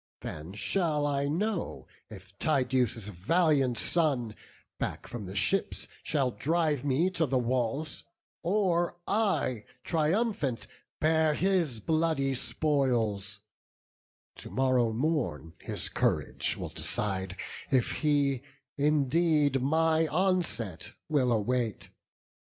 Then shall I know if Tydeus' valiant son Back from the ships shall drive me to the walls, Or I, triumphant, bear his bloody spoils: To morrow morn his courage will decide, If he indeed my onset will await.